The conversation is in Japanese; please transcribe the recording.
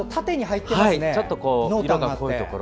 ちょっと色が濃いところ。